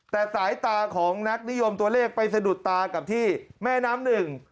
แต่สายตาของนักนิยมตัวเลขไปสะดุดตากับที่แม่น้ำหนึ่ง